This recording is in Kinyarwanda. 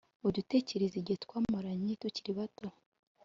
ujya utekereza igihe twamaranye tukiri bato